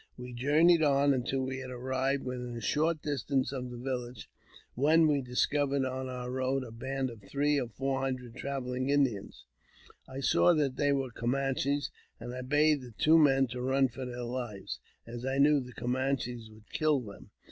We journeyed on until we arrived within a short distance of the village, when we discovered on our road a band of three or four hundred travelling Indians. I saw they were Camanches, and I bade the two men to run for their hves, as I knew the Camanches would kill them.